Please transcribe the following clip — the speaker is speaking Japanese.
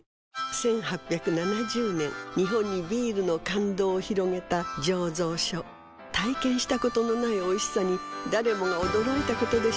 １８７０年日本にビールの感動を広げた醸造所体験したことのないおいしさに誰もが驚いたことでしょう